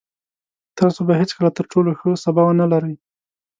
تاسو به هېڅکله تر ټولو ښه سبا ونلرئ.